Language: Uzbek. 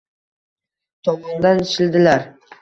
Tovonidan shildilar…